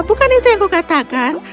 bukan itu yang kukatakan